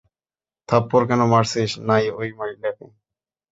থাপ্পড় কেন মারছিস নাই ওই মহিলাকে?